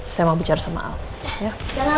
saya mau bicara sama al ya